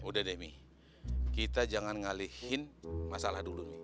udah deh mi kita jangan ngalihin masalah dulu